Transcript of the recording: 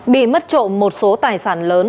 bị mất trộm một số tài sản lớn